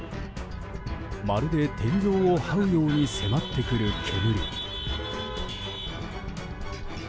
まるで天井をはうように迫ってくる煙。